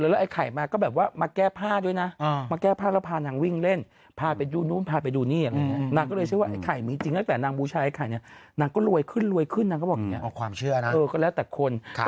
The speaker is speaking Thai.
แล้วก็โรยขึ้นนะก็บอกนี้ความเชื่อนะ